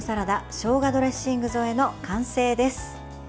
しょうがドレッシング添えの完成です。